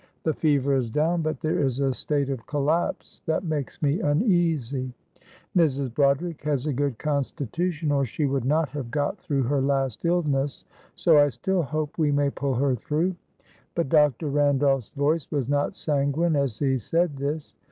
The fever is down, but there is a state of collapse that makes me uneasy. Mrs. Broderick has a good constitution or she would not have got through her last illness, so I still hope we may pull her through;" but Dr. Randolph's voice was not sanguine as he said this.